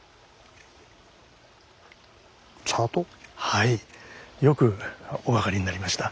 はいよくお分かりになりました。